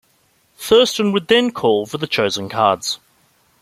Thurston would then call for the chosen cards.